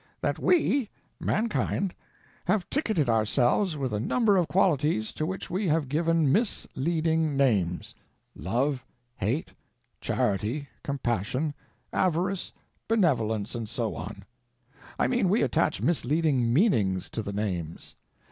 That we (mankind) have ticketed ourselves with a number of qualities to which we have given misleading names. Love, Hate, Charity, Compassion, Avarice, Benevolence, and so on. I mean we attach misleading meanings to the names.